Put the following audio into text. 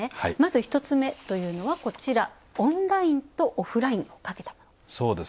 まず１つ目というのは、オンラインとオフラインをかけたもの。